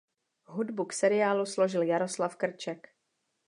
Hudbu k seriálu složil Jaroslav Krček.